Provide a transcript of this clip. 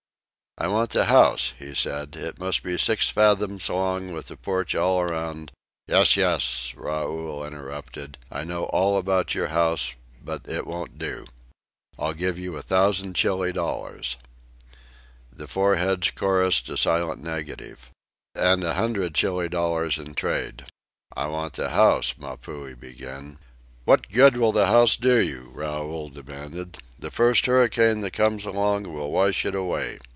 "I want the house," he said. "It must be six fathoms long with a porch all around " "Yes, yes," Raoul interrupted. "I know all about your house, but it won't do. I'll give you a thousand Chili dollars." The four heads chorused a silent negative. "And a hundred Chili dollars in trade." "I want the house," Mapuhi began. "What good will the house do you?" Raoul demanded. "The first hurricane that comes along will wash it away.